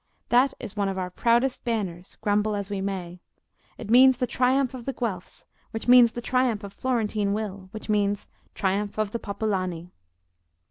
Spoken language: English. That is one of our proudest banners, grumble as we may; it means the triumph of the Guelfs, which means the triumph of Florentine will, which means triumph of the popolani."